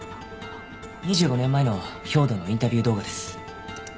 ２５年前の兵働のインタビュー動画です。